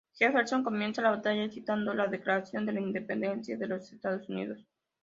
Jefferson comienza la batalla citando la Declaración de Independencia de los Estados Unidos.